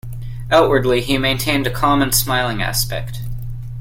Outwardly, he maintained a calm and smiling aspect.